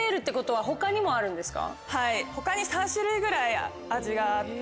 はい他に３種類ぐらい味があって。